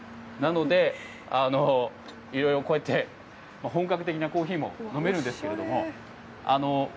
なので、いろいろこうやって本格的なコーヒーも飲めるんですけれども。